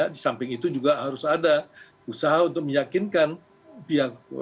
di samping itu juga harus ada usaha untuk meyakinkan pihak